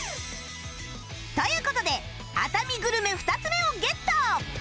という事で熱海グルメ２つ目をゲット！